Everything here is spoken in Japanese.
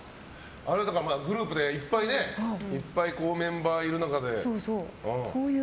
グループでいっぱいメンバーいる中で。